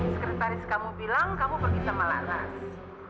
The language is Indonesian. sekretaris kamu bilang kamu pergi sama lanas